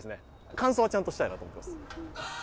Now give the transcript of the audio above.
完走はちゃんとしたいなと思います。